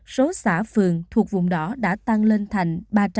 số xã phường thuộc vùng đỏ đã tăng lên thành ba trăm sáu mươi bảy